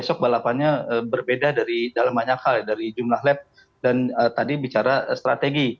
besok balapannya berbeda dari dalam banyak hal dari jumlah lab dan tadi bicara strategi